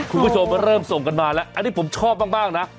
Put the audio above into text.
คุณผู้ชมเริ่มส่งกันมาแล้วอันนี้ผมชอบมากนะ